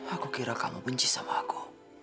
aku kira kamu benci sama aku